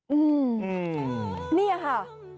อืมนี่ค่ะ